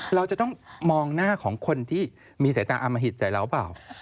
เราจะต้องมองหน้าของคนที่มีสายตาอมหิตใจเราเปล่า